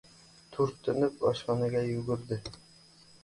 Turtinib oshxonaga yugurdi.